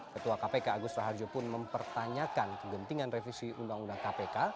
ketua kpk agus raharjo pun mempertanyakan kegentingan revisi undang undang kpk